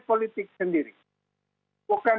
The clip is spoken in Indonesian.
politik sendiri bukan